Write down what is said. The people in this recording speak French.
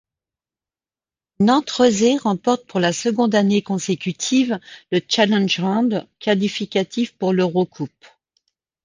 Nantes-Rezé remporte pour la seconde année consécutive le Challenge Round, qualificatif pour l'Eurocoupe.